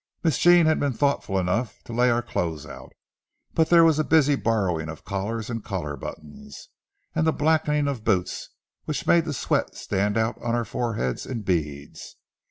Miss Jean had been thoughtful enough to lay our clothes out, but there was a busy borrowing of collars and collar buttons, and a blacking of boots which made the sweat stand out on our foreheads in beads.